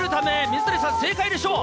水谷さん、正解でしょう。